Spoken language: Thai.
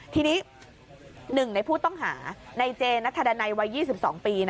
ทีนี้๑ในผู้ต้องหาในเจนัทธดันัยวัย๒๒ปี